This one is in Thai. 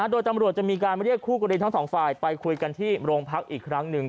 โดยตำรวจจะมีการเรียกคู่กรณีทั้งสองฝ่ายไปคุยกันที่โรงพักอีกครั้งหนึ่ง